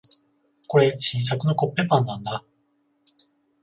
これ、新作のコッペパンなんだ。